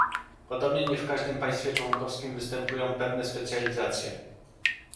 Podobnie nie w każdym państwie członkowskim występują pewne specjalizacje